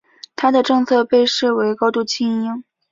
他的政策被视为高度亲英。